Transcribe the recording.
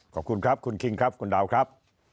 ขอบคุณครับคุณคิงครับคุณดาวครับ